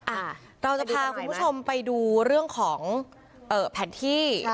อ่าเราจะพาคุณผู้ชมไปดูเรื่องของแผนที่